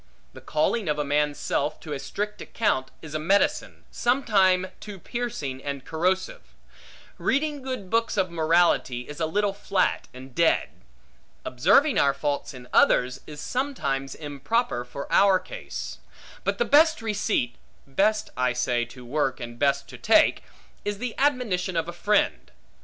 The calling of a man's self to a strict account, is a medicine, sometime too piercing and corrosive. Reading good books of morality, is a little flat and dead. Observing our faults in others, is sometimes improper for our case. But the best receipt (best, I say, to work, and best to take) is the admonition of a friend.